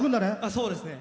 そうですね！